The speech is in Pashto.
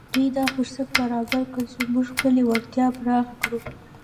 دوی دا فرصت برابر کړی چې موږ خپلې وړتیاوې پراخې کړو